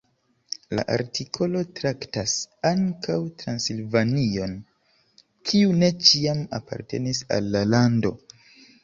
La artikolo traktas ankaŭ Transilvanion, kiu ne ĉiam apartenis al la lando.